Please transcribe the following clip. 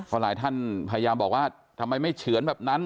ก็หลายท่านพยายามบอกว่าทำไมไม่เฉือนแบบนั้น